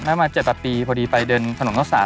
ได้มาเจ็บตัดปีพอดีไปเดินถนนท็อสตาร์